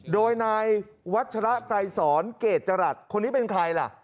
โดยนายวัชระไกรสอนเกรดจรัสคนนี้เป็นใครล่ะ